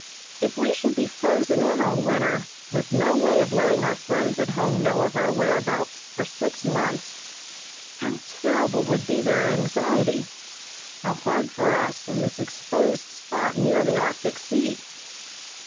If we should be frozen in all winter, with no way of letting our friends at home know of our whereabouts for six months, how terrible would be their anxiety, how hard for us in this exposed spot near the Arctic Sea!